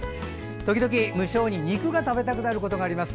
時々無性に肉が食べたくなることがあります。